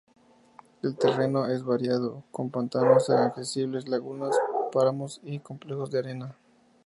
El terreno es variado, con pantanos inaccesibles, lagunas, páramos y complejos de arena.